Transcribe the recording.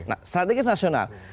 nah strategis nasional